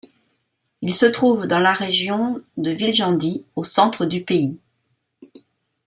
Il se trouve dans la région de Viljandi, au centre du pays.